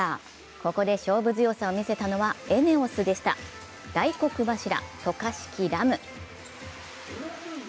ここで勝負強さを見せたのはＥＮＥＯＳでした、大黒柱・渡嘉敷来夢。